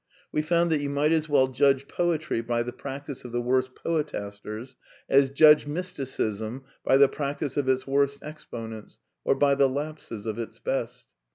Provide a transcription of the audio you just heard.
We found that you might as well judge poetry by the practice of the worst poetasters as judge Mysticism by the practice of its worst exponents or by the lapses of its best.